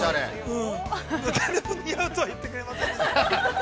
誰も似合うとは言ってくれませんでした。